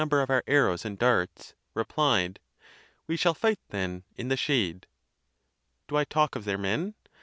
ber of our arrows and darts," replied, " We shall fight, then, in the shade." Dol talk of their men?